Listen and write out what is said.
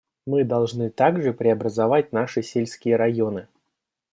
Мы должны также преобразовать наши сельские районы.